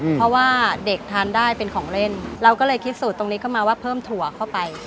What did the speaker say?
เพราะว่าเด็กทานได้เป็นของเล่นเราก็เลยคิดสูตรตรงนี้เข้ามาว่าเพิ่มถั่วเข้าไป